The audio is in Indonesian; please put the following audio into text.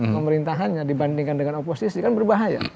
pemerintahannya dibandingkan dengan oposisi kan berbahaya